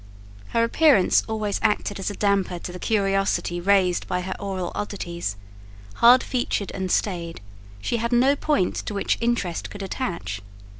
Her appearance always acted as a damper to the curiosity raised by her oral oddities: hard featured and staid, she had no point to which interest could attach.